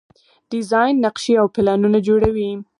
ډیزاین نقشې او پلانونه جوړوي.